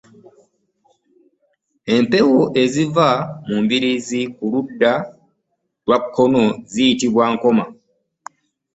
Empewo eziva mu mbiriizi ku ludda olwa kkono, ziyitibwa nkoma.